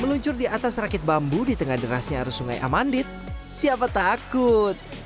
meluncur di atas rakit bambu di tengah derasnya arus sungai amandit siapa takut